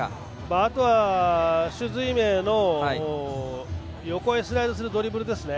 あとは朱瑞銘の横へスライドするドリブルですね。